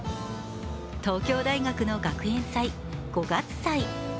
東京大学の学園祭、五月祭。